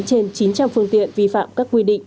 trên chín trăm linh phương tiện vi phạm các quy định